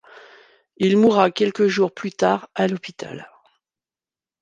Il mourra quelques jours plus tard à l'hôpital.